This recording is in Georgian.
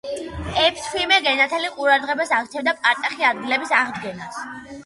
ეფთვიმე გენათელი ყურადღებას აქცევდა პარტახი ადგილების აღდგენას.